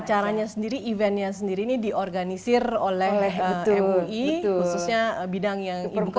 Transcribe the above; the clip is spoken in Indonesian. acaranya sendiri eventnya sendiri ini di organisir oleh mui khususnya bidang yang ibu ketuai